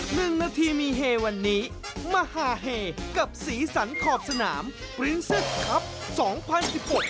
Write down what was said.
หนึ่งนาทีมีเฮวันนี้มหาเฮกับสีสันขอบสนามปริ้นเซ็ตครับสองพันสิบหก